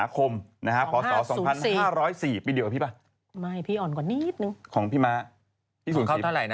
ผมพูด๒วัน๔ใช่ไหม